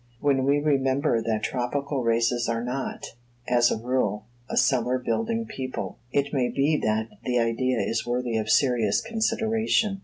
When we remember that tropical races are not, as a rule, a cellar building people, it may be that the idea is worthy of serious consideration.